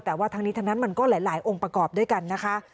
แต่ว่าทั้งนี้ทั้งนั้นมันก็หลายองค์ประกอบด้วยกันนะคะ